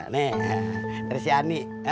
nih dari si ani